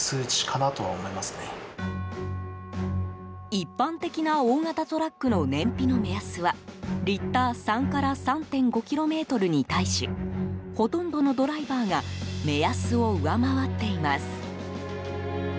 一般的な大型トラックの燃費の目安はリッター３から３．５ｋｍに対しほとんどのドライバーが目安を上回っています。